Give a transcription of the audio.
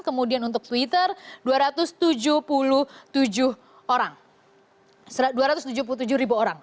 kemudian untuk twitter dua ratus tujuh puluh tujuh ribu orang